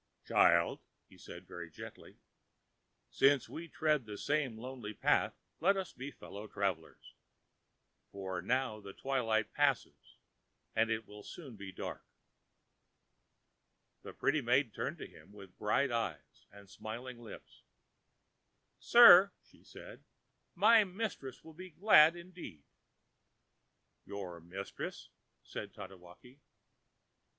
ãChild,ã he said very gently, ãsince we tread the same lonely road let us be fellow travellers, for now the twilight passes and it will soon be dark.ã The pretty maiden turned to him with bright eyes and smiling lips. ãSir,ã she said, ãmy mistress will be glad indeed.ã ãYour mistress?ã said Tatewaki.